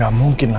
gak mungkin lah